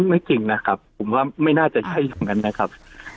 ไม่จริงนะครับผมว่าไม่น่าจะใช่อย่างนั้นนะครับ